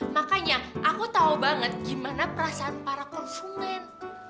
makanya aku tahu banget gimana perasaan para konsumen